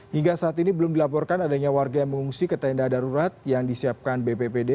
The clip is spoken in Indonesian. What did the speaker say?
hingga saat ini belum dilaporkan adanya warga yang mengungsi ke tenda darurat yang disiapkan bppd